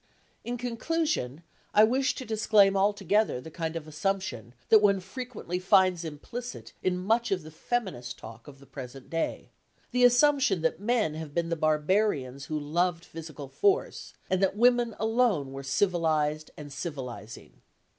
In conclusion, I wish to disclaim altogether the kind of assumption that one frequently finds implicit in much of the feminist talk of the present day—the assumption that men have been the barbarians who loved physical force, and that women alone were civilised and civilising.